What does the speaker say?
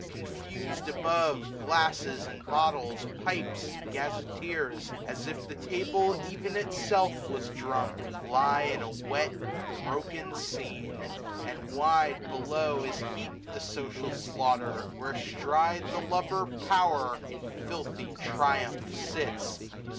Confus'd above^ Glasses and bottles, pipes and gazetteers, As if the table ev'n itself was drunk. Lie a wet broken scene ; and wide, below, 560 Is heap'd the social slaughter : where astride The lubber Power in filthy triumph sits.